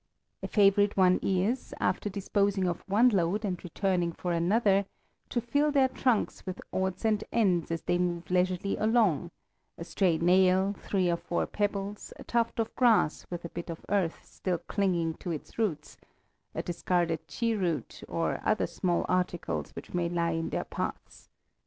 A favorite one is, after disposing of one load and returning for another, to fill their trunks with odds and ends as they move leisurely along, a stray nail, three or four pebbles, a tuft of grass with a bit of earth still clinging to its roots, a discarded cheroot, or other small articles which may lie in their paths.